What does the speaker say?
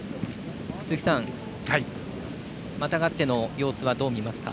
鈴木さん、またがっての様子はどう見ますか？